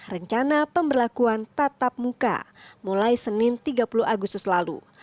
rencana pemberlakuan tatap muka mulai senin tiga puluh agustus lalu